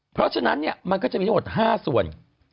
เพราะฉะนั้นมันก็จะมีทั้งหมด๕ส่วน